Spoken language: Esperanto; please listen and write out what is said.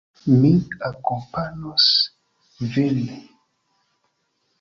Mi akompanos vin.